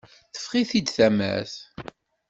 Teffeɣ-it-id tamart.